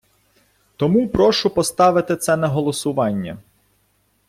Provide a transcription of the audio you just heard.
Тому прошу поставити це на голосування.